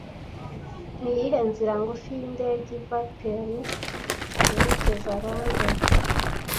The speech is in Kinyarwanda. Niyihe nzira ngufi-yindege iva Perth yerekeza London